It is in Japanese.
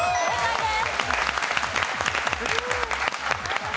正解です。